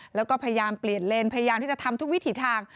แล้วก็พยายามเปลี่ยนเลนส์พยายามที่จะทำทุกวิถีทาง